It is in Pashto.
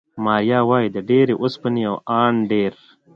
ماریا وايي، د ډېرې اوسپنې او ان ډېر